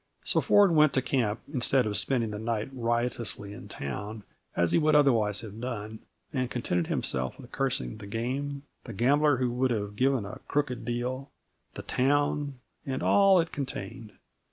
So Ford went to camp, instead of spending the night riotously in town as he would otherwise have done, and contented himself with cursing the game, the gambler who would have given a "crooked deal," the town, and all it contained.